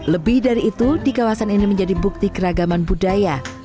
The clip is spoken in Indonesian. lebih dari itu di kawasan ini menjadi bukti keragaman budaya